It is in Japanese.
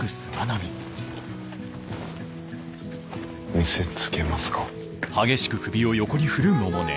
見せつけますか？